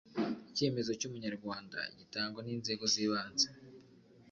Icyemezo cy Umunyarwanda gitangwa n inzego zibanze